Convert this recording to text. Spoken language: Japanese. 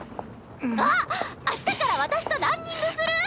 あっ明日から私とランニングする？